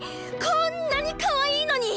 こんなにかわいいのに！